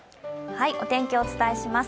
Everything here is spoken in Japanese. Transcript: お天気をお伝えします。